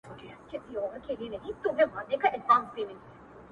حُسنه دا عجيبه شانې کور دی لمبې کوي~